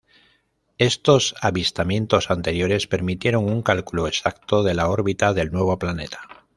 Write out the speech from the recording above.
Estos avistamientos anteriores permitieron un cálculo exacto de la órbita del nuevo planeta.